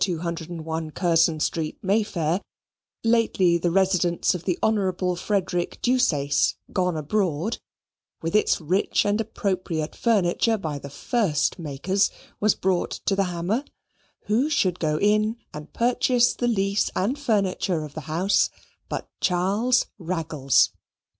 201, Curzon Street, May Fair, lately the residence of the Honourable Frederick Deuceace, gone abroad, with its rich and appropriate furniture by the first makers, was brought to the hammer, who should go in and purchase the lease and furniture of the house but Charles Raggles?